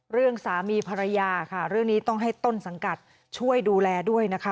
เรื่องสามีภรรยาค่ะเรื่องนี้ต้องให้ต้นสังกัดช่วยดูแลด้วยนะคะ